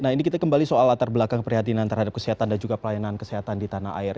jadi kembali soal latar belakang perhatian terhadap kesehatan dan juga pelayanan kesehatan di tanah air